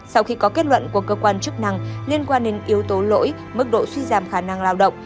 sau khi có kết luận của cơ quan chức năng liên quan đến yếu tố lỗi mức độ suy giảm khả năng lao động